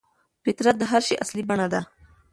فطرت د هر شي اصلي بڼه ده.